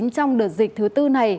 trong đợt dịch thứ bốn này